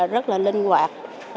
rất là linh hoạt